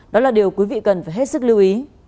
đó là điều quý vị cần phải hết sức lưu ý